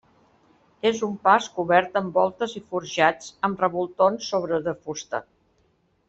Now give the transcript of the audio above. És un pas cobert amb voltes i forjats amb revoltons sobre de fusta.